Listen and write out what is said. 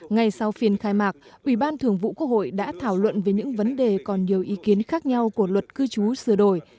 ngay sau phiên khai mạc ubthqh đã thảo luận về những vấn đề còn nhiều ý kiến khác nhau của luật cư trú sửa đổi